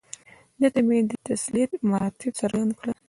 ده ته مې د تسلیت مراتب څرګند کړل.